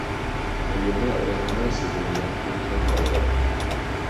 Po jedné odehrané sezoně ukončil kariéru.